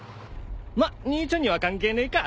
まっ兄ちゃんには関係ねえか。